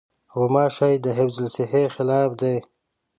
غوماشې د حفظالصحې خلاف دي.